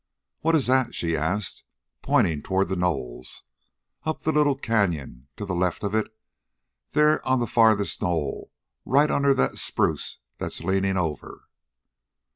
"What is that?" she asked, pointing toward the knolls. "Up the little canyon, to the left of it, there on the farthest knoll, right under that spruce that's leaning over."